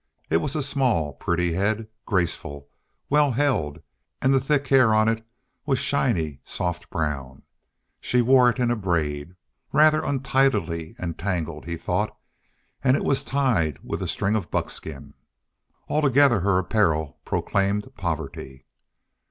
It was a small, pretty head, graceful, well held, and the thick hair on it was a shiny, soft brown. She wore it in a braid, rather untidily and tangled, he thought, and it was tied with a string of buckskin. Altogether her apparel proclaimed poverty.